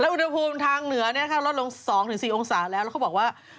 อุณหภูมิทางเหนือลดลง๒๔องศาแล้วแล้วเขาบอกว่า